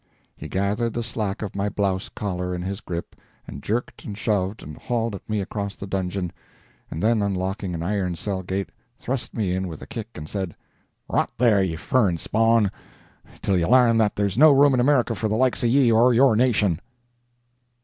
He gathered the slack of my blouse collar in his grip and jerked and shoved and hauled at me across the dungeon, and then unlocking an iron cell gate thrust me in with a kick and said: "Rot there, ye furrin spawn, till ye lairn that there's no room in America for the likes of ye or your nation."